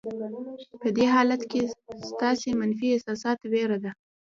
په دې حالت کې ستاسې منفي احساسات وېره ده.